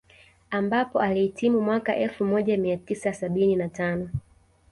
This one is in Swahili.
Ambapo alihitimu mwaka elfu moja mia tisa sabini na tano